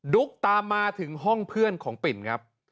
ุ๊กตามมาถึงห้องเพื่อนของปิ่นครับ